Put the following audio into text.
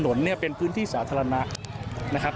ถนนเนี่ยเป็นพื้นที่สาธารณะนะครับ